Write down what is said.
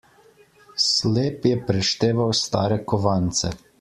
Slep je prešteval stare kovance.